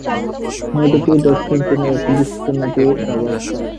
নদীটি দক্ষিণ চীনের একটি বিস্তৃত নদী ব্যবস্থা।